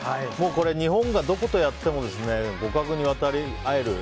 日本がどことやっても互角に渡り合える